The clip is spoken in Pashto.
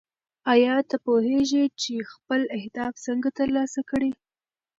ایا ته پوهېږې چې خپل اهداف څنګه ترلاسه کړې؟